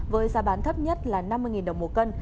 với giá bán thấp nhất là năm mươi đồng một cân